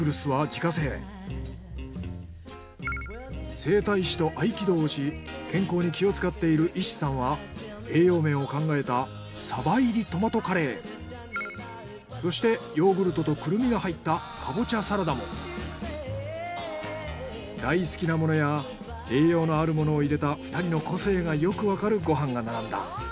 整体師と合気道をし健康に気を使っている伊師さんは栄養面を考えたそしてヨーグルトとクルミが入った大好きなものや栄養のあるものを入れた２人の個性がよくわかるご飯が並んだ。